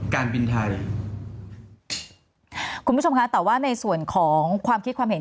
การบินไทยคุณผู้ชมคะแต่ว่าในส่วนของความคิดความเห็น